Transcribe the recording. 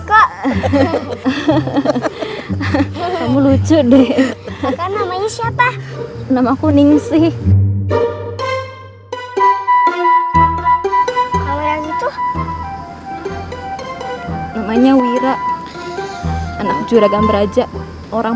kamu lucu deh namanya siapa nama kuning sih namanya wira anak juraganberaja orang